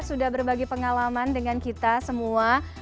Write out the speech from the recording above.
sudah berbagi pengalaman dengan kita semua